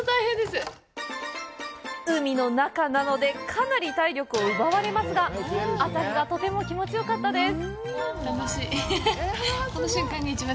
海の中なのでかなり体力を奪われますが朝日がとても気持ちよかったです。